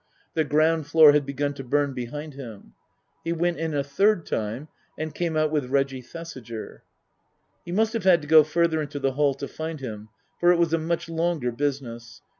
(The ground floor had begun to burn behind him.) He went in a third time and came out with Reggie Thesiger. He must have had to go further into the hall to find him, for it was a much longer business.